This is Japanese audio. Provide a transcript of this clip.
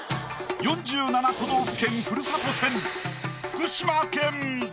４７都道府県ふるさと戦福島県。